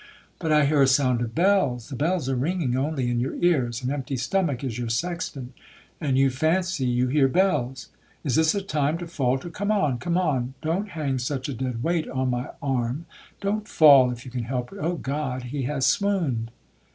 '—'But I hear a sound of bells.'—'The bells are ringing only in your ears,—an empty stomach is your sexton, and you fancy you hear bells. Is this a time to faulter?—come on, come on. Don't hang such a dead weight on my arm,—don't fall, if you can help it. Oh God, he has swooned!'